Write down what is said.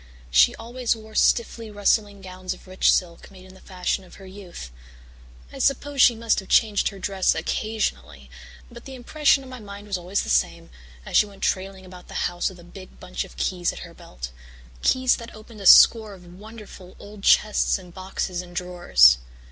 She always wore stiffly rustling gowns of rich silk made in the fashion of her youth. I suppose she must have changed her dress occasionally, but the impression on my mind was always the same, as she went trailing about the house with a big bunch of keys at her belt keys that opened a score of wonderful old chests and boxes and drawers.